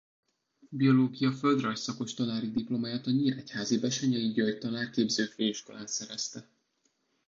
Biológia-földrajz szakos tanári diplomáját a nyíregyházi Bessenyei György Tanárképző Főiskolán szerezte.